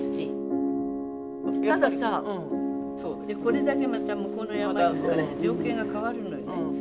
たださこれだけまた向こうの情景が変わるのよね。